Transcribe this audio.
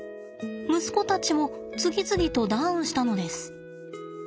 息子たちも次々とダウンしたのです。